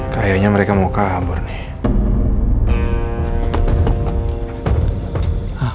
kayaknya mereka mau kabur nih